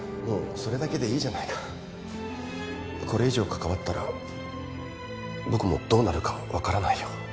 もうそれだけでいいじゃないかこれ以上関わったら僕もどうなるか分からないよ